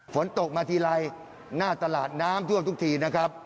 ฝนตกมาทีไรหน้าตลาดน้ำท่วมทุกทีนะครับ